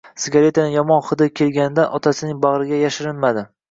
Sigaretning yomon hidi kelganidan otasining bag'riga yashirinmadi.